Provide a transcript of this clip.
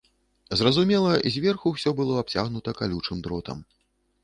Зразумела, зверху ўсё было абцягнута калючым дротам.